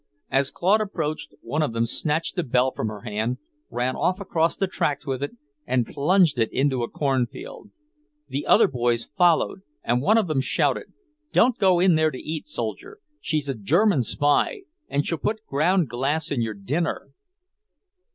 As Claude approached, one of them snatched the bell from her hand, ran off across the tracks with it, and plunged into a cornfield. The other boys followed, and one of them shouted, "Don't go in there to eat, soldier. She's a German spy, and she'll put ground glass in your dinner!"